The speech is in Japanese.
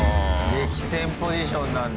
激戦ポジションなんだ。